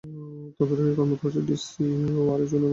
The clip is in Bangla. তদারকি কর্মকর্তা হচ্ছেন ডিসি ওয়ারী জোন এবং এসি ওয়ারী জোন।